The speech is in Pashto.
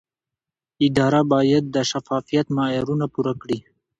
اداره باید د شفافیت معیارونه پوره کړي.